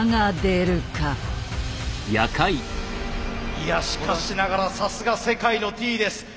いやしかしながらさすが世界のＴです。